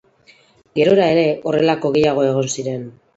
Gerora ere, horrelako gehiago egon ziren.